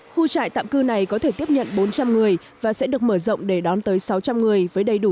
khu trại tạm cư này có thể tiếp nhận bốn trăm linh người và sẽ được mở rộng để đón tới sáu trăm linh người với đầy đủ